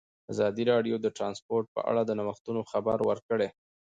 ازادي راډیو د ترانسپورټ په اړه د نوښتونو خبر ورکړی.